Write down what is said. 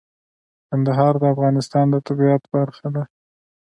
کندهار د افغانستان د طبیعت برخه ده.